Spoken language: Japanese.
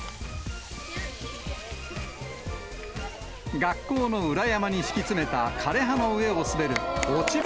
学校の裏山に敷き詰めた枯れ葉の上を滑る落ち葉